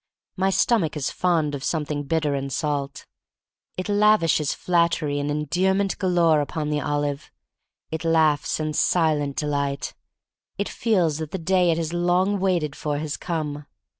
My stomach is fond of something bitter and salt. It lavishes flattery and en dearment galore upon the olive. It laughs in silent delight. It feels that the day it has long waited for has come.